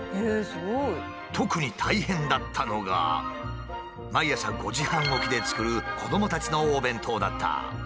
特に大変だったのが毎朝５時半起きで作る子どもたちのお弁当だった。